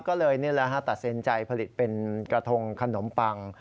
ก็เลยนี่แหละฮะตัดสินใจผลิตเป็นกระทงขนมปัง